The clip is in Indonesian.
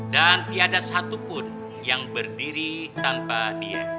dan tiada satupun yang berdiri tanpa dia